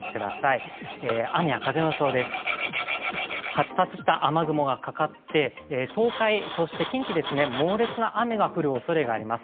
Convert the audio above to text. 発達した雨雲がかかって東海、近畿猛烈な雨が降るおそれがあります。